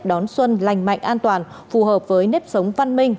đón xuân lành mạnh an toàn phù hợp với nếp sống văn minh